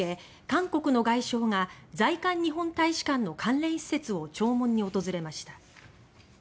韓国の外相が在韓日本大使館の関連施設を弔問に訪れました。